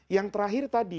yang terakhir tadi